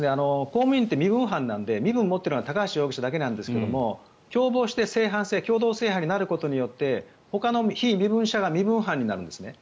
公務員って身分犯なので身分を持っているのは高橋容疑者だけなんですが共謀して共同正犯になることによってほかの非身分者が身分犯になるんですね。